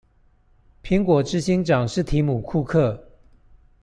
蘋果執行長是提姆庫克